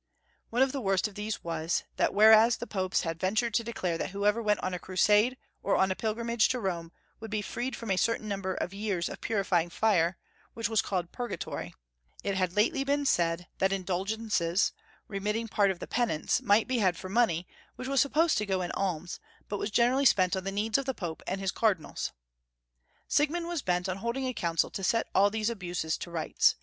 One of the worst of these was, that whereas the Popes had ventured to declare that whoever went on a crusade or on a pilgrimage to Rome would be freed from a certain numi^er of years of purifying fire, which was called Purgatory ; it had lately been said that indulgences, remitting part of the penance, might be had for money, which was supposed to go in alms, but was generally spent on the needs of the Pope and his Cardinals. Siegmund was bent on holding a Council to set all these abuses to rights.